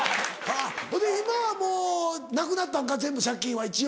ほいで今はもうなくなったんか全部借金は一応。